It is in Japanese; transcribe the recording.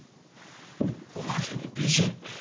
おまけに美人。